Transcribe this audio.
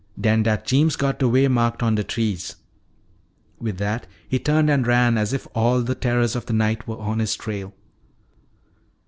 Den dat Jeems got de way marked on de trees." With that he turned and ran as if all the terrors of the night were on his trail.